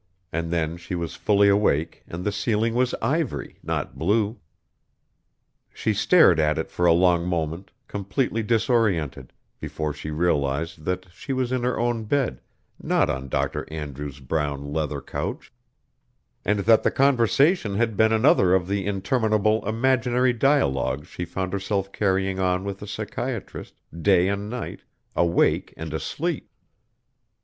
and then she was fully awake and the ceiling was ivory, not blue. She stared at it for a long moment, completely disoriented, before she realized that she was in her own bed, not on Dr. Andrews' brown leather couch, and that the conversation had been another of the interminable imaginary dialogues she found herself carrying on with the psychiatrist, day and night, awake and asleep.